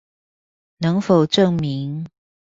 能否證明